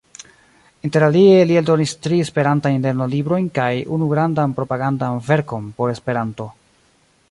Interalie li eldonis tri esperantajn lernolibrojn kaj unu grandan propagandan verkon por Esperanto.